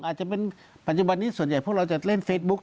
อาจจะเป็นปัจจุบันนี้ส่วนใหญ่พวกเราจะเล่นเฟซบุ๊ค